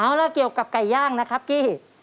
เอาล่ะเกี่ยวกับไก่ย่างนะครับกี้